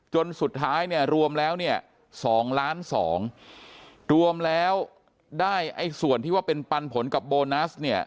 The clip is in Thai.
จนสุดท้ายรวมแล้ว๒๒ล้านรวมแล้วได้ส่วนที่ว่าเป็นปันผลกับโบนัส